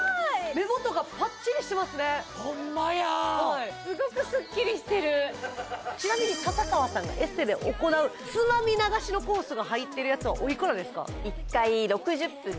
目元がパッチリしてますねホンマやすごくスッキリしてるちなみに笹川さんがエステで行うつまみ流しのコースが入ってるやつはおいくらですか？